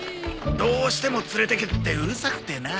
どうしても連れていけってうるさくてな。